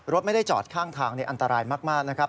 ไม่ได้จอดข้างทางอันตรายมากนะครับ